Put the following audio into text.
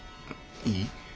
いい？